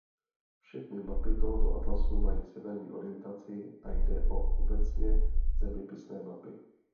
Všechny mapy tohoto atlasu mají severní orientaci a jde o obecně zeměpisné mapy.